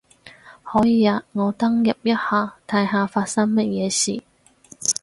可以啊，我登入一下睇下發生乜嘢事